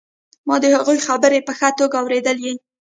ما د هغوی خبرې په ښه توګه اورېدلې